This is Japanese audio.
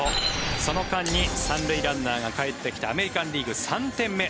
その間に３塁ランナーがかえってきてアメリカン・リーグ、３点目。